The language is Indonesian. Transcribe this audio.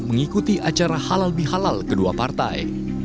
mengikuti acara halal bihalal kedua partai